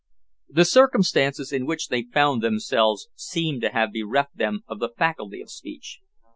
The circumstances in which they found themselves seemed to have bereft them of the faculty of speech.